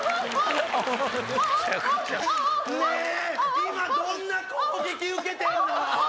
今どんな攻撃受けてんの？